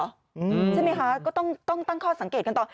ใช่ไหมคะก็ต้องตั้งข้อสังเกตกันต่อ